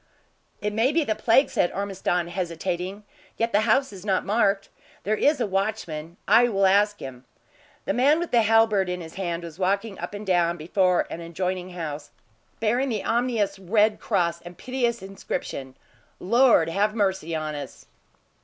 "It may be the plague," said Ormiston, hesitating. "Yet the house is not marked. There is a watchman. I will ask him." The man with the halberd in his hand was walking up and down before an adjoining house, bearing the ominous red cross and piteous inscription: "Lord have mercy on us!"